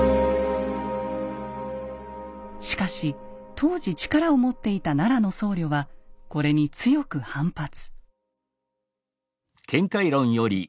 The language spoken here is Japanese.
しかし当時力を持っていた奈良の僧侶はこれに強く反発。